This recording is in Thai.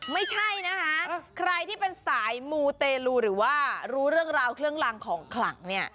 ไม่ใช่นะคะใครที่เป็นสายมูเตลูหรือว่ารู้เรื่องราวเครื่องรางของขลังเนี่ย